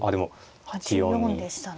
８四でしたね。